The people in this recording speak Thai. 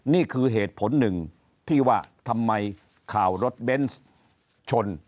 นี่คือเหตุผลหนึ่งที่ว่าทำไมข่าวรถเบนส์ชน